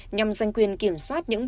nhằm giành quyền kiểm soát những vùng